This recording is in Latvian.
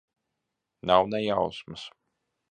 Nav ne jausmas.